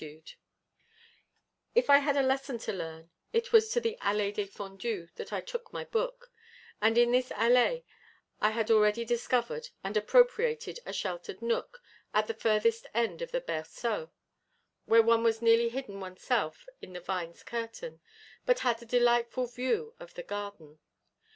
[Illustration: THE "ALLÉE DÉFENDUE"] If I had a lesson to learn, it was to the Allée défendue that I took my book; and in this allée I had already discovered and appropriated a sheltered nook, at the furthest end of the berceau, where one was nearly hidden oneself in the vine's curtain, but had a delightful view of the garden.